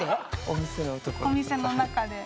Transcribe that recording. お店の中で。